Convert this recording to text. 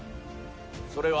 それは。